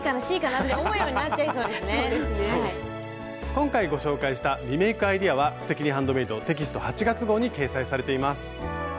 今回ご紹介したリメイクアイデアは「すてきにハンドメイド」テキスト８月号に掲載されています。